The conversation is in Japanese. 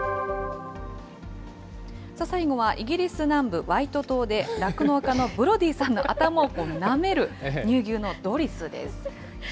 最後はイギリス南部ワイト島で、酪農家のブロディさんの頭をなめる乳牛のドリスです。